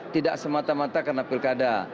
tidak semata mata karena pilkada